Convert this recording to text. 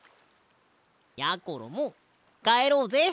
やころもかえろうぜ。